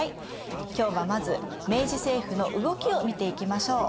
今日はまず明治政府の動きを見ていきましょう。